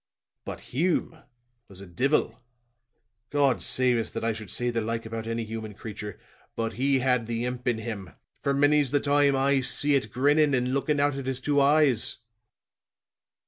But Hume was a divil! God save us, that I should say the like about any human creature; but he had the imp in him, for many's the time I see it grinning and looking out at his two eyes."